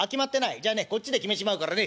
じゃあねこっちで決めちまうからね。